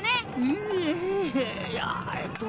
えいやえっと。